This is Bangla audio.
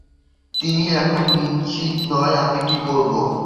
আমি এখনো নিশ্চিত নই আমি কি করবো।